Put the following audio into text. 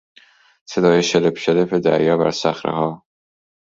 صدای شلپ شلپ دریا بر صخرهها